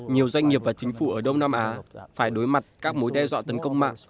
nhiều doanh nghiệp và chính phủ ở đông nam á phải đối mặt các mối đe dọa tấn công mạng